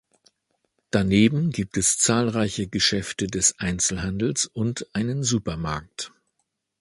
Daneben gibt es zahlreiche Geschäfte des Einzelhandels und einen Supermarkt.